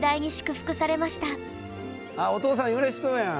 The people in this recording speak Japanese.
あお父さんうれしそうやん。